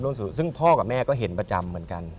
ซึ่งพ่อกับแม่ก็เห็นประจำเหมือนกัน